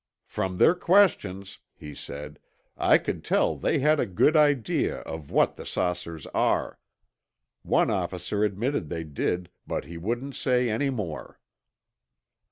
"From their questions," he said, "I could tell they had a good idea of what the saucers are. One officer admitted they did, but he wouldn't say any more."